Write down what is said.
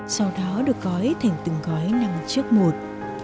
sau đó được gói thành từng gói năm trước một